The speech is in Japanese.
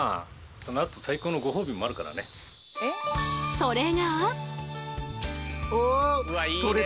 それが。